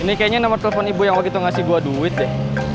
ini kayaknya nomor telepon ibu yang waktu itu ngasih gue duit deh